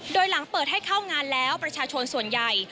โดยหลังเปิดให้เข้างานแล้วประชาชนส่วนใหญ่